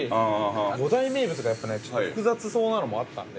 五大名物が、ちょっと複雑そうなのもあったんで。